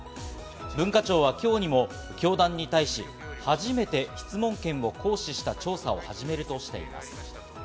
文化庁は今日にも教団に対し、初めて質問権を行使した調査を始めるとしています。